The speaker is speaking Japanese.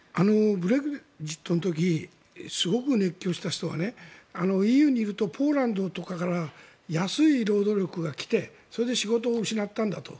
ブレグジットの時すごく熱狂した人はＥＵにいるとポーランドとかから安い労働力が来てそれで仕事を失ったんだと。